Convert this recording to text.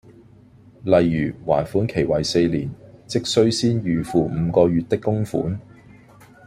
例如還款期為四年，即需先繳付五個月的供款